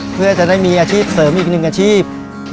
เพื่อจะได้มีอาชีพเสริมอีกหนึ่งอาชีพ